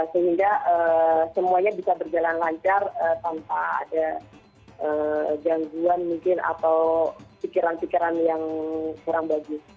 sehingga semuanya bisa berjalan lancar tanpa ada gangguan mungkin atau pikiran pikiran yang kurang bagus